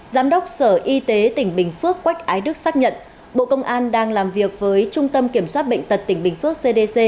giám đốc sở y tế tỉnh bình phước quách ái đức xác nhận bộ công an đang làm việc với trung tâm kiểm soát bệnh tật tỉnh bình phước cdc